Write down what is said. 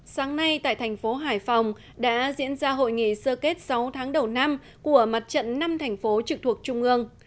sáng nay tại thành phố hải phòng đã diễn ra hội nghị sơ kết sáu tháng đầu năm của mặt trận năm thành phố trực thuộc trung ương